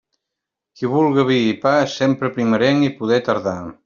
Qui vulga vi i pa, sembre primerenc i pode tardà.